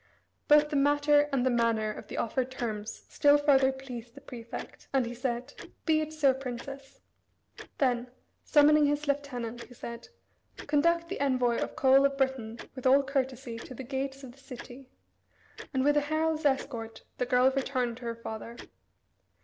Both the matter and the manner of the offered terms still further pleased the prefect, and he said: "Be it so, Princess." Then summoning his lieutenant, he said: "Conduct the envoy of Coel of Britain with all courtesy to the gates of the the city," and with a herald's escort the girl returned to her father.